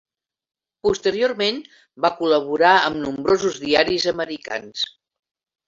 Posteriorment, va col·laborar amb nombrosos diaris americans.